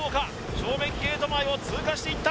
正面ゲート前を通過していった